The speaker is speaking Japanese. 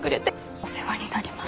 お世話になります。